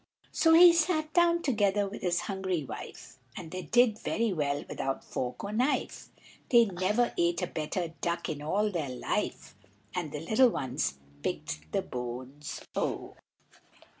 So he sat down together with his hungry wife, And they did very well without fork or knife, They never ate a better duck in all their life, And the little ones picked the bones o!